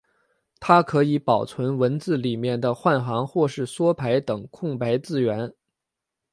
它可以保存文字里面的换行或是缩排等空白字元。